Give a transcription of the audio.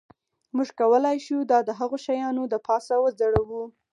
موږ کولی شو دا د هغو شیانو د پاسه وځړوو